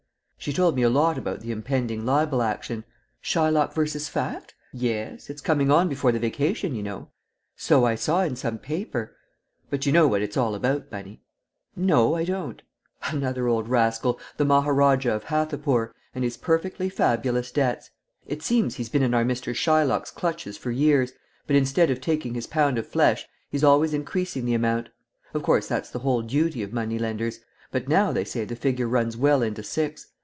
"She told me a lot about the impending libel action." "Shylock v. Fact?" "Yes; it's coming on before the vacation, you know." "So I saw in some paper." "But you know what it's all about, Bunny?" "No, I don't." "Another old rascal, the Maharajah of Hathipur, and his perfectly fabulous debts. It seems he's been in our Mr. Shylock's clutches for years, but instead of taking his pound of flesh he's always increasing the amount. Of course that's the whole duty of money lenders, but now they say the figure runs well into six.